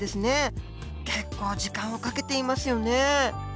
結構時間をかけていますよね。